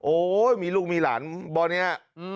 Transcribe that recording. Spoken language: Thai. โอ้โฮมีลูกมีหลานบอกอย่างนี้